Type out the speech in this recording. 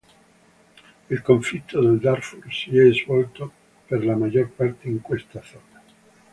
Il Conflitto del Darfur si è svolto per la maggior parte in questa zona.